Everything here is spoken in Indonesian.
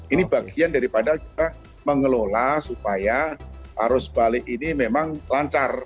ini bagian daripada kita mengelola supaya arus balik ini memang lancar